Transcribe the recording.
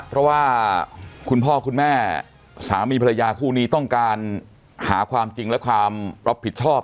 เพราะว่าคุณพ่อคุณแม่สามีภรรยาคู่นี้ต้องการหาความจริงและความรับผิดชอบ